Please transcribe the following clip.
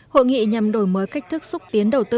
hội nghị nhằm đổi mới cách thức xúc tiến đầu tư